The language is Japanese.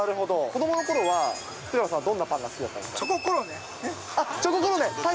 子どものころは、菅野さんはどんなパンが好きだったんですか。